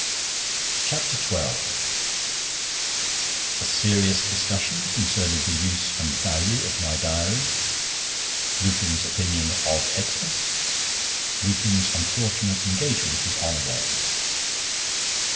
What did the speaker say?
CHAPTER XII A serious discussion concerning the use and value of my diary. Lupin's opinion of 'Xmas. Lupin's unfortunate engagement is on again.